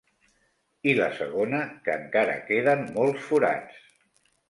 I la segona, que encara queden molts forats.